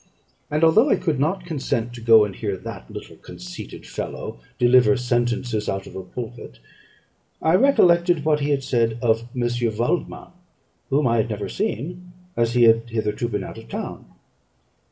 And although I could not consent to go and hear that little conceited fellow deliver sentences out of a pulpit, I recollected what he had said of M. Waldman, whom I had never seen, as he had hitherto been out of town.